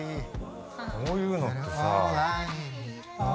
こういうのってさ。